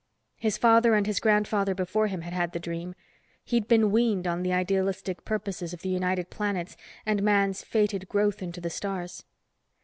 His father and his grandfather before him had had the dream. He'd been weaned on the idealistic purposes of the United Planets and man's fated growth into the stars.